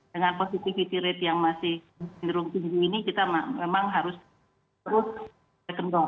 dengan positivity rate yang masih menurun ke tujuh ini kita memang harus terus second down